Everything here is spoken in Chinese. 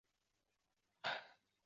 后被亚历山大大帝占领。